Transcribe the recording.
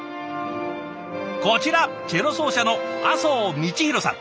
こちらチェロ奏者の阿相道広さん。